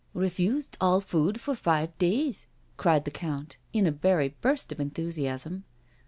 " Refused all food for five days I '* cried the Count, in a very burst of enthusiasm.